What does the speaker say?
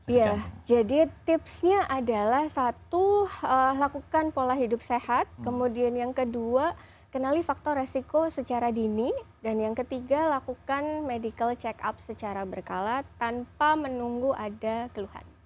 iya jadi tipsnya adalah satu lakukan pola hidup sehat kemudian yang kedua kenali faktor resiko secara dini dan yang ketiga lakukan medical check up secara berkala tanpa menunggu ada keluhan